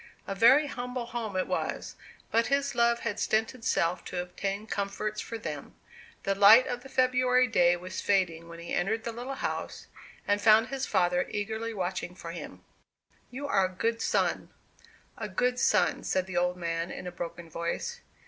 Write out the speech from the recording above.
A very humble home it was; but his love had stinted self to obtain comforts for them. The light of the February day was fading when he entered the little house, and found his father eagerly watching for him. "You are a good son, a good son," said the old man, in a broken voice.